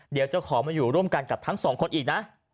เดี๋ยวจะขอมาอยู่ร่วมกันกับทั้งสองคนอีกนะ